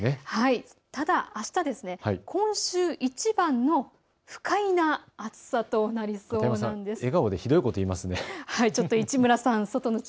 ただあした、今週いちばんの不快な暑さとなりそうなんです。